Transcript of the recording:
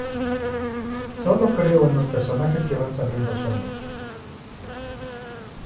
Sólo creo en los personajes que van saliendo solos.